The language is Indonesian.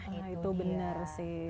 nah itu benar sih